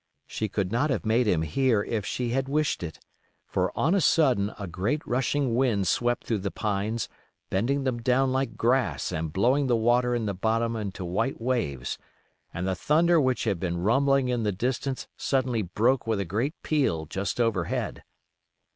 She could not have made him hear if she had wished it; for on a sudden a great rushing wind swept through the pines, bending them down like grass and blowing the water in the bottom into white waves, and the thunder which had been rumbling in the distance suddenly broke with a great peal just overhead.